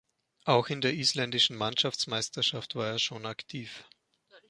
Auch in der isländischen Mannschaftsmeisterschaft war er schon aktiv.